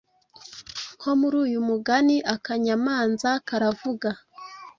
Nko muri uyu mugani akanyamanza karavuga,